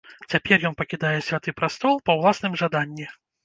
Цяпер ён пакідае святы прастол па ўласным жаданні.